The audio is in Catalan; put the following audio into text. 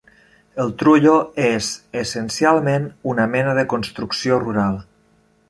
El trullo és essencialment una mena de construcció rural.